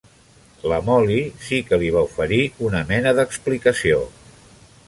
La Mollie sí que li va oferir una mena d'explicació.